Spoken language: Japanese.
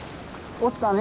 おったね。